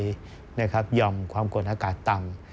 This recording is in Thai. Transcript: เรียกภาพยอมความกลดอากาศต่ำ